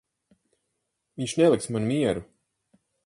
Viņš neliks man mieru.